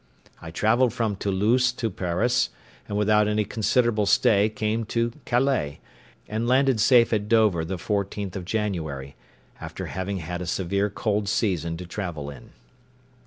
I travelled from Toulouse to Paris, and without any considerable stay came to Calais, and landed safe at Dover the 14th of January, after having had a severe cold season to travel in.